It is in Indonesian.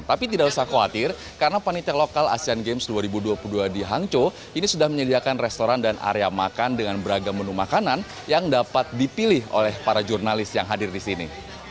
tapi tidak usah khawatir karena panitia lokal asean games dua ribu dua puluh dua di hangzhou ini sudah menyediakan restoran dan area makan dengan beragam menu makanan yang dapat dipilih oleh para jurnalis yang hadir di sini